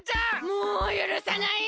もうゆるさない！